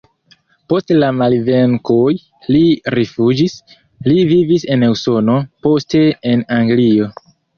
Post la malvenkoj li rifuĝis, li vivis en Usono, poste en Anglio.